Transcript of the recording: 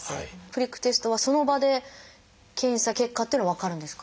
プリックテストはその場で検査結果っていうのは分かるんですか？